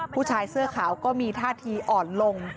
ผู้ชายเสื้อขาวก็มีท่าทีอ่อนลง